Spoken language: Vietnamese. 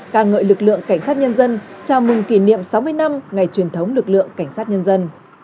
ca ngợi lực lượng cảnh sát nhân dân chào mừng kỷ niệm sáu mươi năm ngày truyền thống lực lượng cảnh sát nhân dân